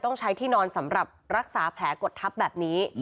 ต้องใช้ที่นอนสำหรับรักษาแผลกดทับแบบนี้